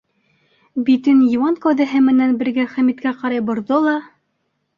Битен йыуан кәүҙәһе менән бергә Хәмиткә ҡарай борҙо ла: